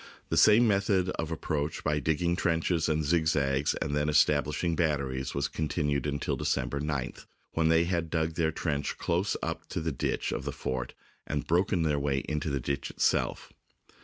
The same method of approach by digging trenches and zigzags and then establishing batteries was continued until December 9th, when they had dug their trench close up to the ditch of the fort and broken their way into the ditch itself.